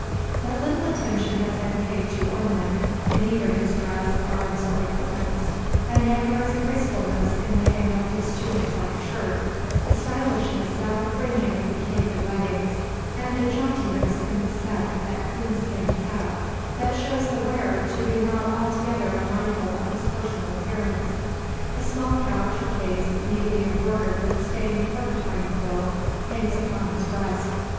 But little attention has been paid to ornament in either his dress, arms, or equipments; and yet there is a gracefulness in the hang of his tunic like shirt; a stylishness about the fringing of the cape and leggings; and a jauntiness in the set of that coon skin cap that shows the wearer to be not altogether unmindful of his personal appearance. A small pouch or case, neatly embroidered with stained porcupine quills, hangs upon his breast.